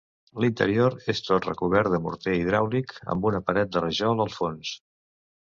L’interior és tot recobert de morter hidràulic, amb una paret de rajol al fons.